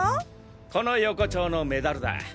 この横丁のメダルだ。